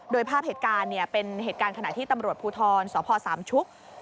โดยภาพเหตุการณ์เป็นเหตุการณ์ขณะที่ตำรวจภูทรสพสามชุก